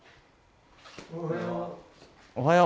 おはよう。